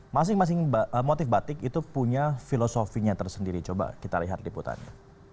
masing masing motif batik itu punya filosofinya tersendiri coba kita lihat liputannya